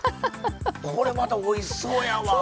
これまた、おいしそうやわ。